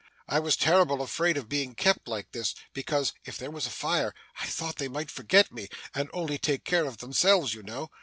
I was terrible afraid of being kept like this, because if there was a fire, I thought they might forget me and only take care of themselves you know.